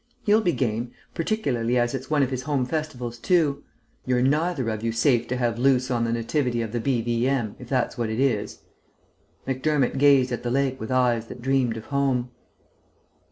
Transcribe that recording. He'll be game, particularly as it's one of his home festivals too. You're neither of you safe to have loose on the Nativity of the B.V.M., if that's what it is." Macdermott gazed at the lake with eyes that dreamed of home.